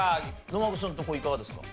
野間口さんのとこはいかがですか？